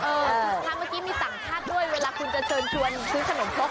ถ้าเมื่อกี้มีต่างชาติด้วยเวลาคุณจะเชิญชวนซื้อขนมครก